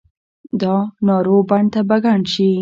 دا نارو بڼ به ګڼ شي